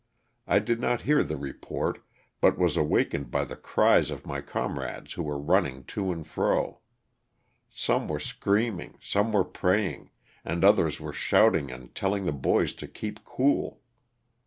I did not hear the report, but was awakened by the cries of my comrades who were running to and fro. Some were screaming, some were praying, and others were shouting and telling the boys to keep cool.